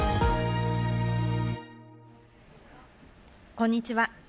こんにちは。